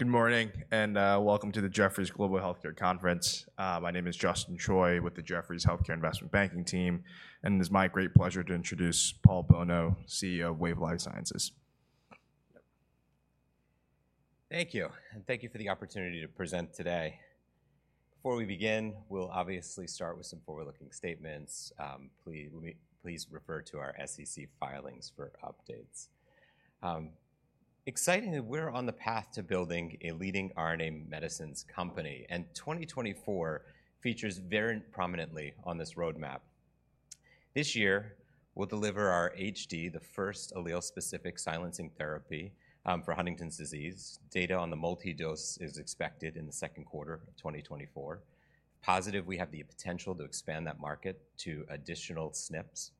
Good morning, and welcome to the Jefferies Global Healthcare Conference. My name is Justin Choi with the Jefferies Healthcare Investment Banking team, and it is my great pleasure to introduce Paul Bolno, CEO of Wave Life Sciences. Thank you, and thank you for the opportunity to present today. Before we begin, we'll obviously start with some forward-looking statements. Please refer to our SEC filings for updates. Excitingly, we're on the path to building a leading RNA medicines company, and 2024 features very prominently on this roadmap. This year, we'll deliver our HD, the first allele-specific silencing therapy, for Huntington's disease. Data on the multi-dose is expected in the second quarter of 2024. Positive, we have the potential to expand that market to additional SNPs.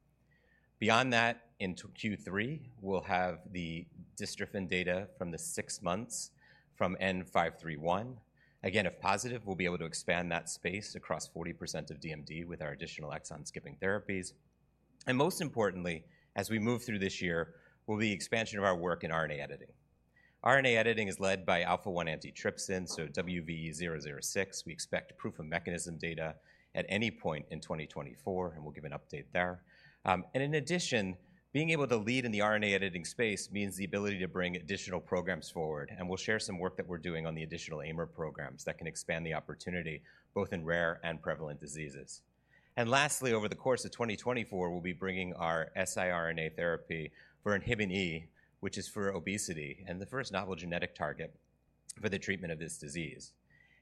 Beyond that, in Q3, we'll have the dystrophin data from the six months from N-531. Again, if positive, we'll be able to expand that space across 40% of DMD with our additional exon-skipping therapies. And most importantly, as we move through this year, will be expansion of our work in RNA editing. RNA editing is led by alpha-1 antitrypsin, so WVE-006. We expect proof of mechanism data at any point in 2024, and we'll give an update there. And in addition, being able to lead in the RNA editing space means the ability to bring additional programs forward, and we'll share some work that we're doing on the additional AIMer programs that can expand the opportunity, both in rare and prevalent diseases. And lastly, over the course of 2024, we'll be bringing our siRNA therapy for Inhibin E, which is for obesity, and the first novel genetic target for the treatment of this disease.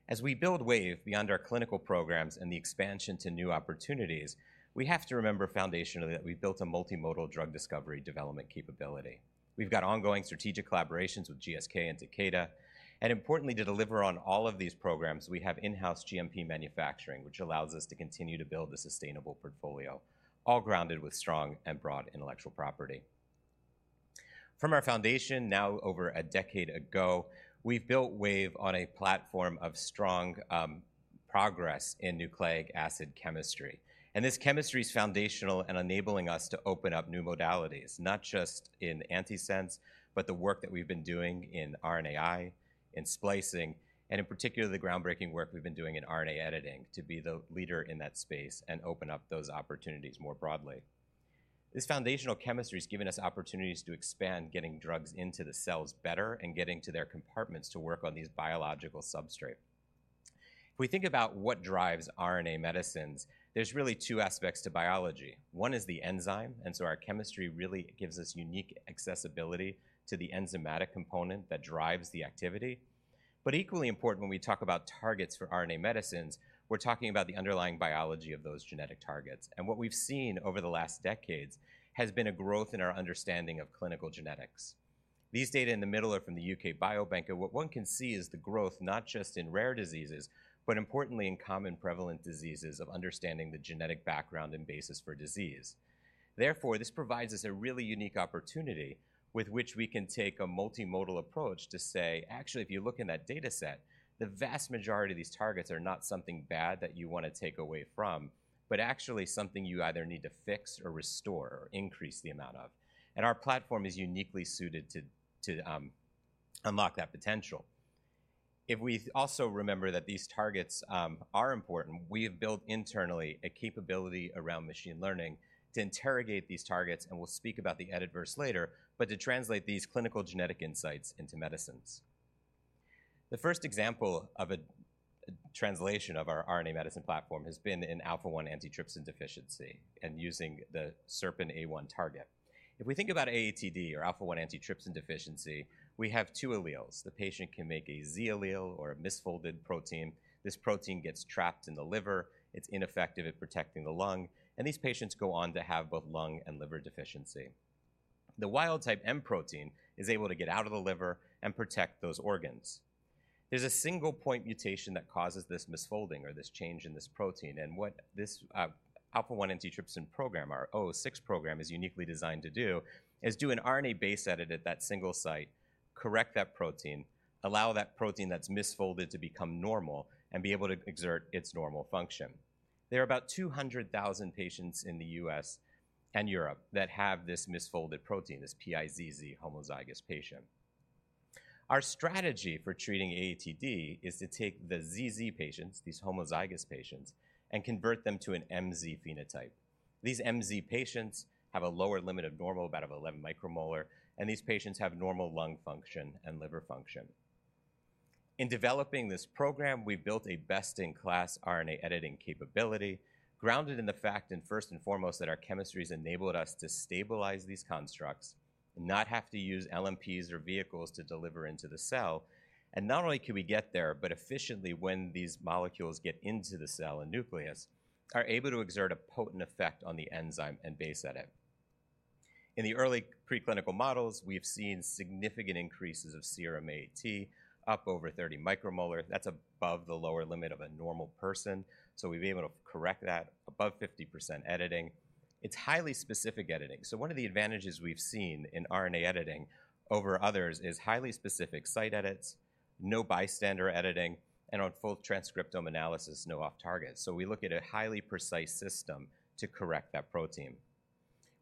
As we build Wave beyond our clinical programs and the expansion to new opportunities, we have to remember foundationally that we've built a multimodal drug discovery development capability. We've got ongoing strategic collaborations with GSK and Takeda, and importantly, to deliver on all of these programs, we have in-house GMP manufacturing, which allows us to continue to build a sustainable portfolio, all grounded with strong and broad intellectual property. From our foundation, now over a decade ago, we've built Wave on a platform of strong progress in nucleic acid chemistry, and this chemistry is foundational in enabling us to open up new modalities, not just in antisense, but the work that we've been doing in RNAi, in splicing, and in particular, the groundbreaking work we've been doing in RNA editing to be the leader in that space and open up those opportunities more broadly. This foundational chemistry has given us opportunities to expand getting drugs into the cells better and getting to their compartments to work on these biological substrate. If we think about what drives RNA medicines, there's really two aspects to biology. One is the enzyme, and so our chemistry really gives us unique accessibility to the enzymatic component that drives the activity. But equally important, when we talk about targets for RNA medicines, we're talking about the underlying biology of those genetic targets. What we've seen over the last decades has been a growth in our understanding of clinical genetics. These data in the middle are from the UK Biobank, and what one can see is the growth, not just in rare diseases, but importantly in common, prevalent diseases of understanding the genetic background and basis for disease. Therefore, this provides us a really unique opportunity with which we can take a multimodal approach to say, "Actually, if you look in that data set, the vast majority of these targets are not something bad that you want to take away from, but actually something you either need to fix or restore or increase the amount of." And our platform is uniquely suited to unlock that potential. If we also remember that these targets are important, we have built internally a capability around machine learning to interrogate these targets, and we'll speak about the EditVerse later, but to translate these clinical genetic insights into medicines. The first example of a translation of our RNA medicine platform has been in alpha-1 antitrypsin deficiency and using the SERPINA1 target. If we think about AATD, or alpha-1 antitrypsin deficiency, we have two alleles. The patient can make a Z allele or a misfolded protein. This protein gets trapped in the liver, it's ineffective at protecting the lung, and these patients go on to have both lung and liver deficiency. The wild type M protein is able to get out of the liver and protect those organs. There's a single point mutation that causes this misfolding or this change in this protein, and what this, alpha-1 antitrypsin program, our O six program, is uniquely designed to do is do an RNA-based edit at that single site, correct that protein, allow that protein that's misfolded to become normal, and be able to exert its normal function. There are about 200,000 patients in the U.S. and Europe that have this misfolded protein, this PiZZ homozygous patient. Our strategy for treating AATD is to take the ZZ patients, these homozygous patients, and convert them to an MZ phenotype. These MZ patients have a lower limit of normal, about 11 micromolar, and these patients have normal lung function and liver function. In developing this program, we built a best-in-class RNA editing capability grounded in the fact, and first and foremost, that our chemistry has enabled us to stabilize these constructs and not have to use LNPs or vehicles to deliver into the cell. Not only can we get there, but efficiently when these molecules get into the cell and nucleus, are able to exert a potent effect on the enzyme and base edit. In the early preclinical models, we've seen significant increases of serum AAT, up over 30 micromolar. That's above the lower limit of a normal person, so we've been able to correct that, above 50% editing. It's highly specific editing. So one of the advantages we've seen in RNA editing over others is highly specific site edits, no bystander editing, and on full transcriptome analysis, no off-target. So we look at a highly precise system to correct that protein.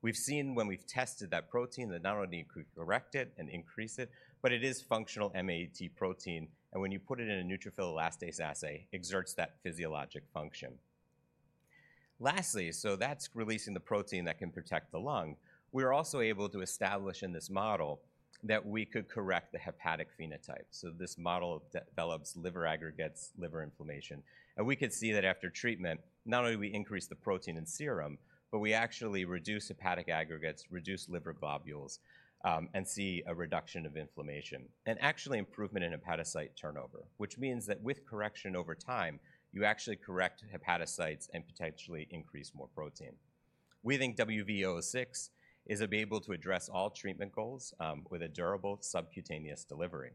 We've seen when we've tested that protein, that not only could we correct it and increase it, but it is functional M protein, and when you put it in a neutrophil elastase assay, exerts that physiologic function. Lastly, so that's releasing the protein that can protect the lung. We're also able to establish in this model that we could correct the hepatic phenotype. So this model develops liver aggregates, liver inflammation, and we could see that after treatment, not only we increase the protein in serum, but we actually reduce hepatic aggregates, reduce liver globules, and see a reduction of inflammation, and actually improvement in hepatocyte turnover, which means that with correction over time, you actually correct hepatocytes and potentially increase more protein. We think WVE-006 is able to address all treatment goals, with a durable subcutaneous delivery.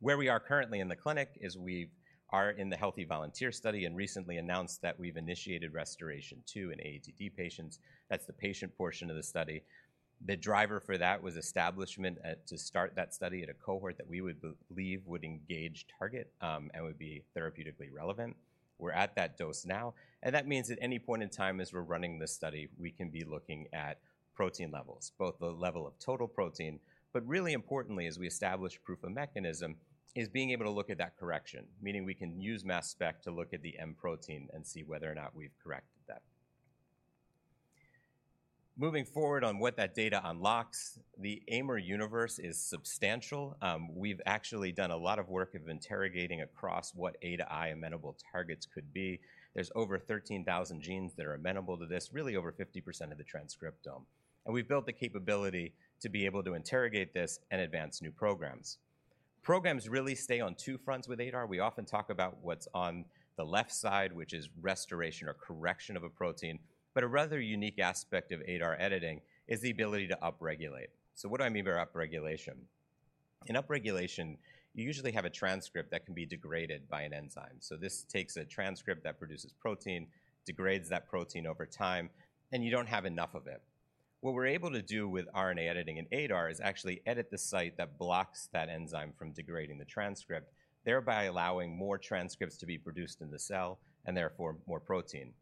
Where we are currently in the clinic is we are in the healthy volunteer study and recently announced that we've initiated RestorAATion-2 in AATD patients. That's the patient portion of the study. The driver for that was establishment at, to start that study at a cohort that we would believe would engage target, and would be therapeutically relevant. We're at that dose now, and that means at any point in time as we're running this study, we can be looking at protein levels, both the level of total protein, but really importantly, as we establish proof of mechanism, is being able to look at that correction, meaning we can use mass spec to look at the M protein and see whether or not we've corrected that. Moving forward on what that data unlocks, the AIMer universe is substantial. We've actually done a lot of work of interrogating across what A-to-I amenable targets could be. There's over 13,000 genes that are amenable to this, really over 50% of the transcriptome, and we've built the capability to be able to interrogate this and advance new programs. Programs really stay on two fronts with ADAR. We often talk about what's on the left side, which is restoration or correction of a protein, but a rather unique aspect of ADAR editing is the ability to upregulate. So what do I mean by upregulation? In upregulation, you usually have a transcript that can be degraded by an enzyme. So this takes a transcript that produces protein, degrades that protein over time, and you don't have enough of it. What we're able to do with RNA editing in ADAR is actually edit the site that blocks that enzyme from degrading the transcript, thereby allowing more transcripts to be produced in the cell, and therefore more protein.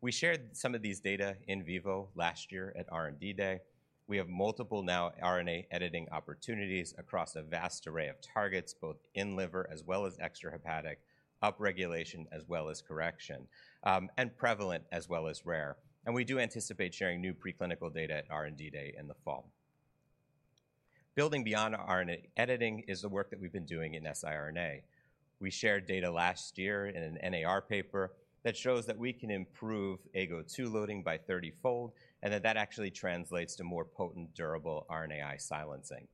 We shared some of these data in vivo last year at R&D Day. We have multiple now RNA editing opportunities across a vast array of targets, both in liver as well as extrahepatic, upregulation as well as correction, and prevalent as well as rare. We do anticipate sharing new preclinical data at R&D Day in the fall. Building beyond RNA editing is the work that we've been doing in siRNA. We shared data last year in an NAR paper that shows that we can improve AGO2 loading by 30-fold, and that that actually translates to more potent, durable RNAi silencing.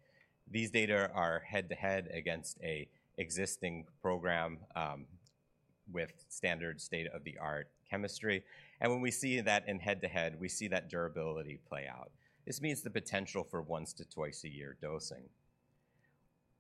These data are head-to-head against an existing program with standard state-of-the-art chemistry, and when we see that in head-to-head, we see that durability play out. This means the potential for once to twice a year dosing.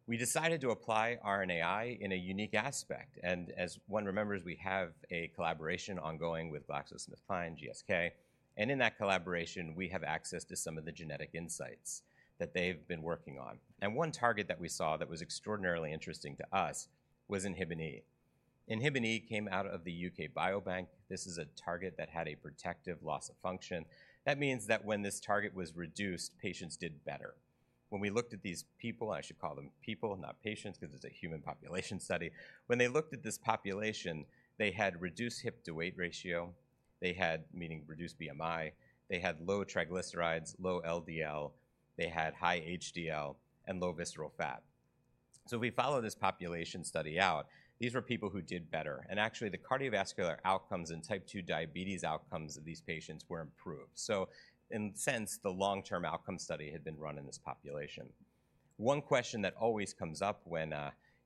We decided to apply RNAi in a unique aspect, and as one remembers, we have a collaboration ongoing with GlaxoSmithKline, GSK, and in that collaboration, we have access to some of the genetic insights that they've been working on. And one target that we saw that was extraordinarily interesting to us was Inhibin E. Inhibin E came out of the UK Biobank. This is a target that had a protective loss of function. That means that when this target was reduced, patients did better. When we looked at these people, I should call them people, not patients, because it's a human population study. When they looked at this population, they had reduced hip-to-weight ratio. They had, meaning reduced BMI. They had low triglycerides, low LDL, they had high HDL, and low visceral fat. So we follow this population study out. These were people who did better, and actually, the cardiovascular outcomes and type two diabetes outcomes of these patients were improved. So in a sense, the long-term outcome study had been run in this population. One question that always comes up when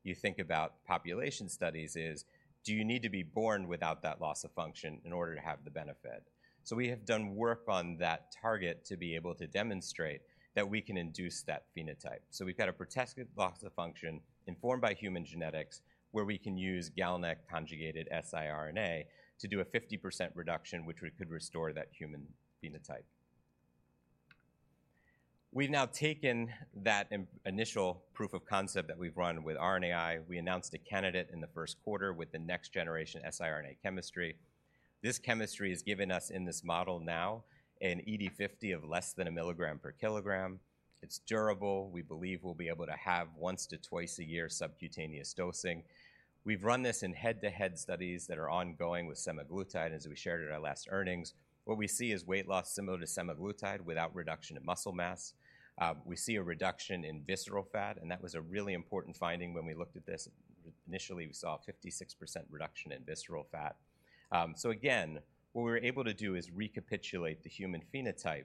you think about population studies is, do you need to be born without that loss of function in order to have the benefit? So we have done work on that target to be able to demonstrate that we can induce that phenotype. So we've got a protective loss of function informed by human genetics, where we can use GalNAc-conjugated siRNA to do a 50% reduction, which we could restore that human phenotype. We've now taken that initial proof of concept that we've run with RNAi. We announced a candidate in the first quarter with the next-generation siRNA chemistry. This chemistry has given us, in this model now, an ED50 of less than a milligram per kilogram. It's durable. We believe we'll be able to have once to twice a year subcutaneous dosing. We've run this in head-to-head studies that are ongoing with semaglutide, as we shared at our last earnings. What we see is weight loss similar to semaglutide without reduction in muscle mass. We see a reduction in visceral fat, and that was a really important finding when we looked at this. Initially, we saw a 56% reduction in visceral fat. So again, what we were able to do is recapitulate the human phenotype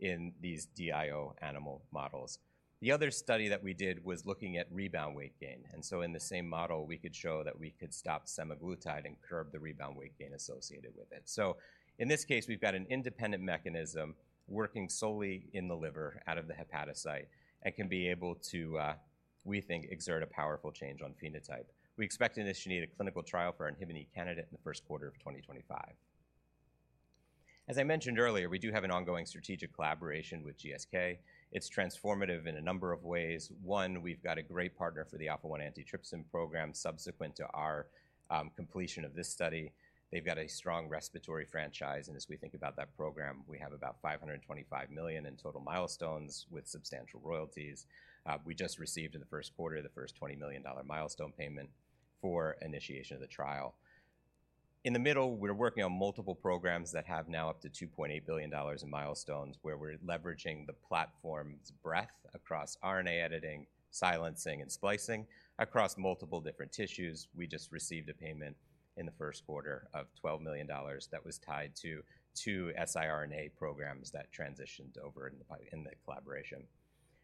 in these DIO animal models. The other study that we did was looking at rebound weight gain, and so in the same model, we could show that we could stop semaglutide and curb the rebound weight gain associated with it. So in this case, we've got an independent mechanism working solely in the liver out of the hepatocyte and can be able to, we think, exert a powerful change on phenotype. We expect to initiate a clinical trial for an inhibin E candidate in the first quarter of 2025. As I mentioned earlier, we do have an ongoing strategic collaboration with GSK. It's transformative in a number of ways. One, we've got a great partner for the alpha-1 antitrypsin program subsequent to our completion of this study. They've got a strong respiratory franchise, and as we think about that program, we have about $525 million in total milestones with substantial royalties. We just received in the first quarter, the first $20 million milestone payment for initiation of the trial. In the middle, we're working on multiple programs that have now up to $2.8 billion in milestones, where we're leveraging the platform's breadth across RNA editing, silencing, and splicing across multiple different tissues. We just received a payment in the first quarter of $12 million that was tied to two siRNA programs that transitioned over in the collaboration.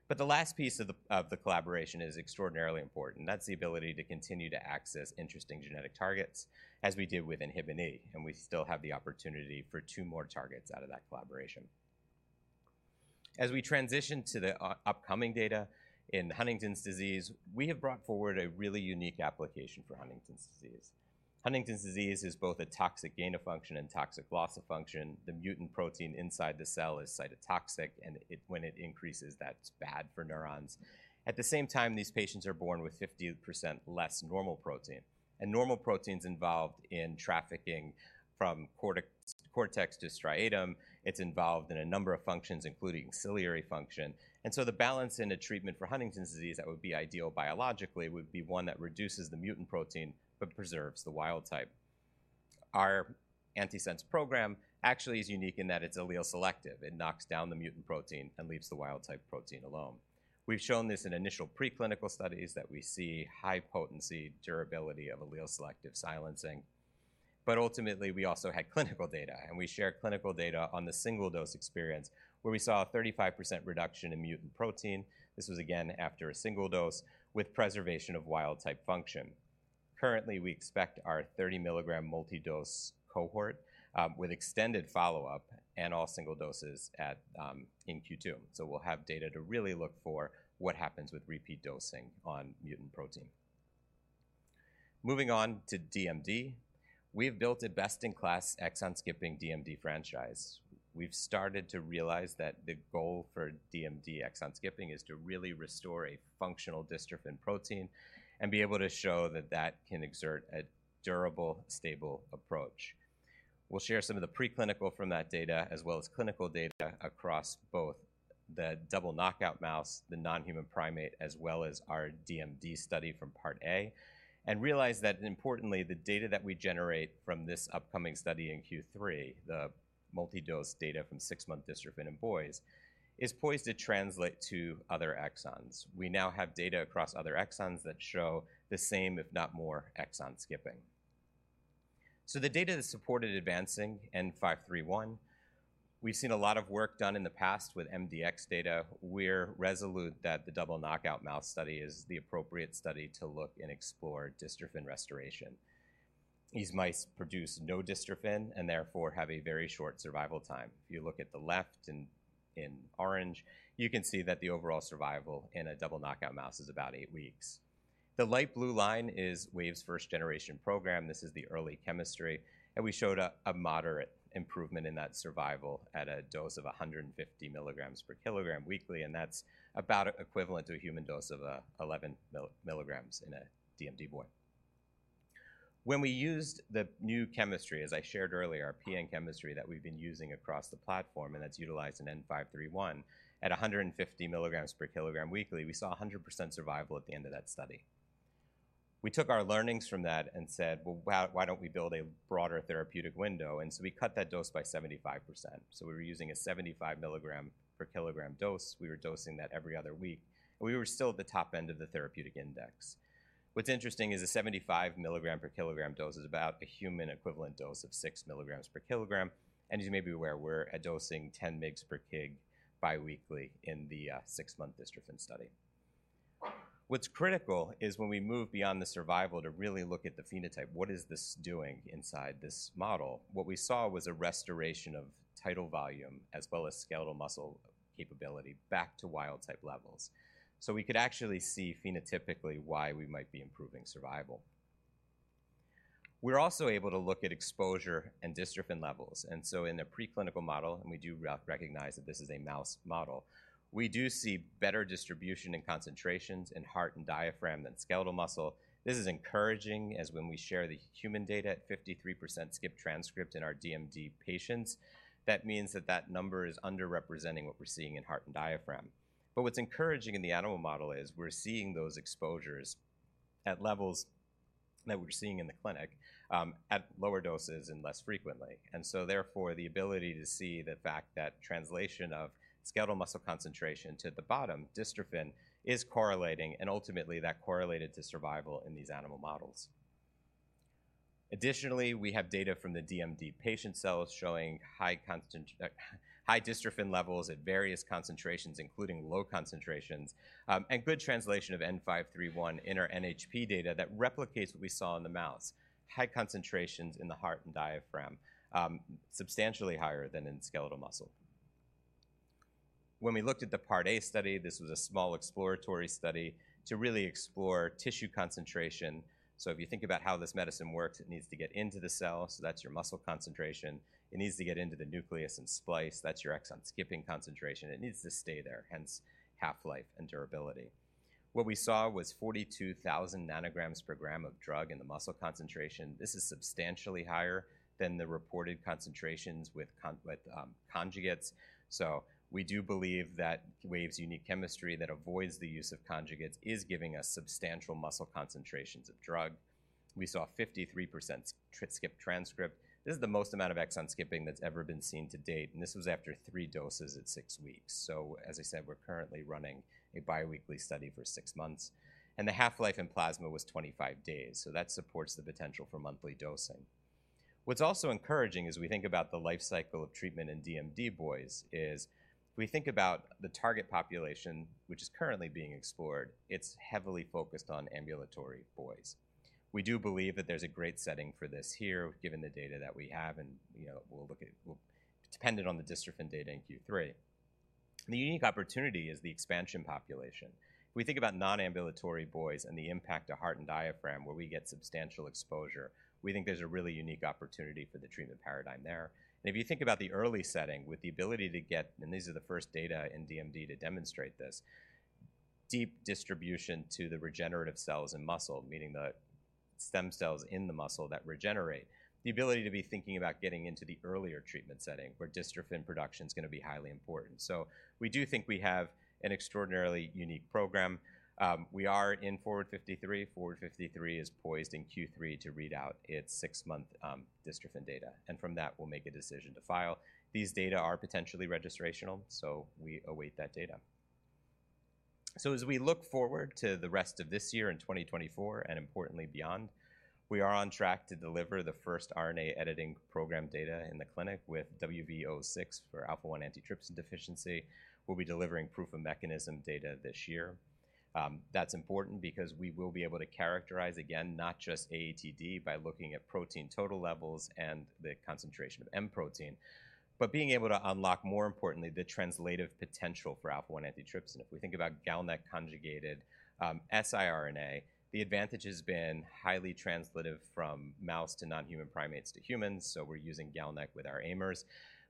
But the last piece of the collaboration is extraordinarily important. That's the ability to continue to access interesting genetic targets, as we did with Inhibin E, and we still have the opportunity for two more targets out of that collaboration. As we transition to the upcoming data in Huntington's disease, we have brought forward a really unique application for Huntington's disease. Huntington's disease is both a toxic gain of function and toxic loss of function. The mutant protein inside the cell is cytotoxic, and it—when it increases, that's bad for neurons. At the same time, these patients are born with 50% less normal protein, and normal protein's involved in trafficking from cortex, cortex to striatum. It's involved in a number of functions, including ciliary function. And so the balance in a treatment for Huntington's disease that would be ideal biologically would be one that reduces the mutant protein but preserves the wild type. Our antisense program actually is unique in that it's allele selective. It knocks down the mutant protein and leaves the wild type protein alone. We've shown this in initial preclinical studies that we see high potency, durability of allele selective silencing, but ultimately, we also had clinical data, and we share clinical data on the single dose experience, where we saw a 35% reduction in mutant protein. This was, again, after a single dose with preservation of wild type function. Currently, we expect our 30-milligram multi-dose cohort, with extended follow-up and all single doses at, in Q2. So we'll have data to really look for what happens with repeat dosing on mutant protein. Moving on to DMD, we've built a best-in-class exon-skipping DMD franchise. We've started to realize that the goal for DMD exon skipping is to really restore a functional dystrophin protein and be able to show that that can exert a durable, stable approach. We'll share some of the preclinical from that data, as well as clinical data across both the double knockout mouse, the non-human primate, as well as our DMD study from Part A, and realize that importantly, the data that we generate from this upcoming study in Q3, the multi-dose data from 6-month dystrophin in boys, is poised to translate to other exons. We now have data across other exons that show the same, if not more, exon skipping. So the data that supported advancing N-531, we've seen a lot of work done in the past with MDX data. We're resolute that the double knockout mouse study is the appropriate study to look and explore dystrophin restoration. These mice produce no dystrophin, and therefore have a very short survival time. If you look at the left in orange, you can see that the overall survival in a double knockout mouse is about eight weeks. The light blue line is Wave's first-generation program. This is the early chemistry, and we showed a moderate improvement in that survival at a dose of 150 mg per kg weekly, and that's about equivalent to a human dose of 11 milligrams in a DMD boy. When we used the new chemistry, as I shared earlier, our PN chemistry that we've been using across the platform, and that's utilized in N-531, at 150 mg per kg weekly, we saw 100% survival at the end of that study. We took our learnings from that and said, "Well, why, why don't we build a broader therapeutic window?" And so we cut that dose by 75%. So we were using a 75 mg per kg dose. We were dosing that every other week, and we were still at the top end of the therapeutic index. What's interesting is a 75 mg per kg dose is about a human equivalent dose of 6 mg per kg, and as you may be aware, we're dosing 10 mgs per kg biweekly in the six-month dystrophin study. What's critical is when we move beyond the survival to really look at the phenotype, what is this doing inside this model? What we saw was a restoration of tidal volume, as well as skeletal muscle capability back to wild type levels. So we could actually see phenotypically why we might be improving survival. We're also able to look at exposure and dystrophin levels, and so in a preclinical model, and we do recognize that this is a mouse model, we do see better distribution and concentrations in heart and diaphragm than skeletal muscle. This is encouraging, as when we share the human data at 53% skip transcript in our DMD patients, that means that that number is underrepresenting what we're seeing in heart and diaphragm. But what's encouraging in the animal model is we're seeing those exposures at levels that we're seeing in the clinic, at lower doses and less frequently. And so therefore, the ability to see the fact that translation of skeletal muscle concentration to the bottom, dystrophin, is correlating, and ultimately, that correlated to survival in these animal models. Additionally, we have data from the DMD patient cells showing high concent... High dystrophin levels at various concentrations, including low concentrations, and good translation of N-531 in our NHP data that replicates what we saw in the mouse, high concentrations in the heart and diaphragm, substantially higher than in skeletal muscle. When we looked at the Part A study, this was a small exploratory study to really explore tissue concentration. So if you think about how this medicine works, it needs to get into the cell, so that's your muscle concentration. It needs to get into the nucleus and splice, that's your exon skipping concentration. It needs to stay there, hence half-life and durability. What we saw was 42,000 nanograms per gram of drug in the muscle concentration. This is substantially higher than the reported concentrations with conjugates. So we do believe that Wave's unique chemistry that avoids the use of conjugates is giving us substantial muscle concentrations of drug. We saw 53% skip transcript. This is the most amount of exon skipping that's ever been seen to date, and this was after three doses at six weeks. So as I said, we're currently running a biweekly study for six months, and the half-life in plasma was 25 days, so that supports the potential for monthly dosing. What's also encouraging as we think about the life cycle of treatment in DMD boys is if we think about the target population, which is currently being explored, it's heavily focused on ambulatory boys. We do believe that there's a great setting for this here, given the data that we have, and, you know, we'll look at... dependent on the dystrophin data in Q3. The unique opportunity is the expansion population. If we think about non-ambulatory boys and the impact to heart and diaphragm, where we get substantial exposure, we think there's a really unique opportunity for the treatment paradigm there. And if you think about the early setting, with the ability to get, and these are the first data in DMD to demonstrate this, deep distribution to the regenerative cells and muscle, meaning the stem cells in the muscle that regenerate, the ability to be thinking about getting into the earlier treatment setting where dystrophin production is gonna be highly important. So we do think we have an extraordinarily unique program. We are in FORWARD-53. FORWARD-53 is poised in Q3 to read out its six-month dystrophin data, and from that, we'll make a decision to file. These data are potentially registrational, so we await that data. So as we look forward to the rest of this year in 2024, and importantly beyond, we are on track to deliver the first RNA editing program data in the clinic with WVE-006 for alpha-1 antitrypsin deficiency. We'll be delivering proof of mechanism data this year. That's important because we will be able to characterize, again, not just AATD by looking at protein total levels and the concentration of M protein, but being able to unlock, more importantly, the translational potential for alpha-1 antitrypsin. If we think about GalNAc-conjugated siRNA, the advantage has been highly translational from mouse to non-human primates to humans, so we're using GalNAc with our AIMers.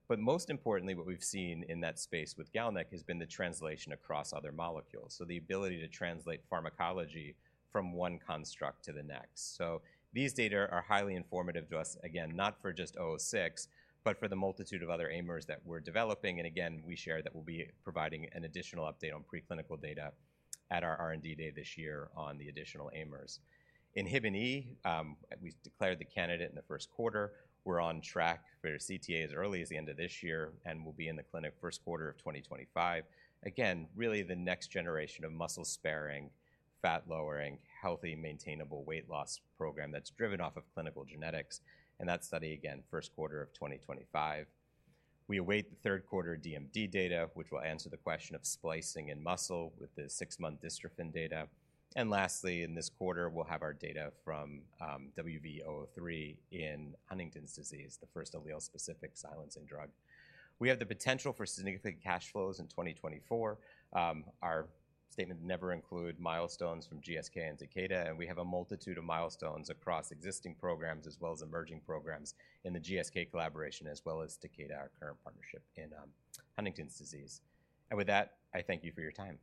But most importantly, what we've seen in that space with GalNAc has been the translation across other molecules, so the ability to translate pharmacology from one construct to the next. So these data are highly informative to us, again, not for just WVE-006, but for the multitude of other AIMers that we're developing. And again, we share that we'll be providing an additional update on preclinical data at our R&D Day this year on the additional AIMers. Inhibin E, we declared the candidate in the first quarter. We're on track for CTA as early as the end of this year, and we'll be in the clinic first quarter of 2025. Again, really the next generation of muscle-sparing, fat-lowering, healthy, maintainable weight loss program that's driven off of clinical genetics. And that study, again, first quarter of 2025. We await the third quarter DMD data, which will answer the question of splicing in muscle with the 6-month dystrophin data. And lastly, in this quarter, we'll have our data from WVE-003 in Huntington's disease, the first allele-specific silencing drug. We have the potential for significant cash flows in 2024. Our statement never include milestones from GSK and Takeda, and we have a multitude of milestones across existing programs, as well as emerging programs in the GSK collaboration, as well as Takeda, our current partnership in Huntington's disease. With that, I thank you for your time.